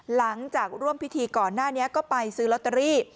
หลังจากร่วมพิธีก่อนหน้านี้ก็ไปซื้อลอตเตอรี่